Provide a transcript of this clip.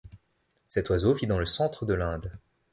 Cet oiseau vit dans le centre de l'Inde.